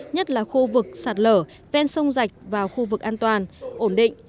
nhất là khu vực sạt lở ven sông rạch và khu vực an toàn ổn định